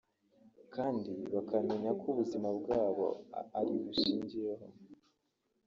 kandi bakamenya ko ubuzima bwabo aribo bushingiyeho